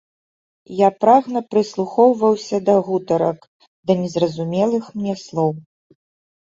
Я прагна прыслухоўваўся да гутарак, да незразумелых мне слоў.